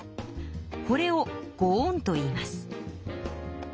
これをご恩といいます。